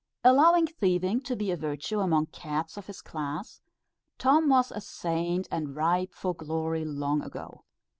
Allowing thieving to be a virtue among cats of his class, Tom was a saint, and ripe for glory long ago.